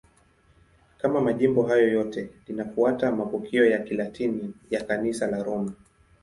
Kama majimbo hayo yote, linafuata mapokeo ya Kilatini ya Kanisa la Roma.